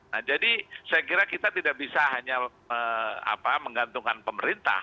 nah jadi saya kira kita tidak bisa hanya menggantungkan pemerintah